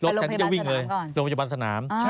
กับโรงพยาบาลสนาม